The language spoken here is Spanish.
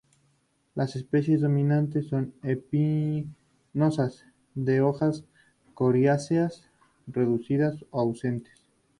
Las especies dominantes son espinosas, de hojas coriáceas, reducidas o ausentes.